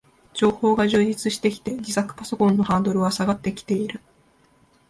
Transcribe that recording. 情報が充実してきて、自作パソコンのハードルは下がってきている